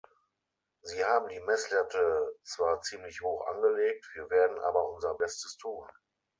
Sie haben die Messlatte zwar ziemlich hoch angelegt, wir werden aber unser Bestes tun.